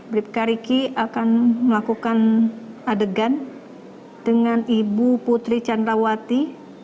bripka ricky akan melakukan adegan dengan ibu putri candrawati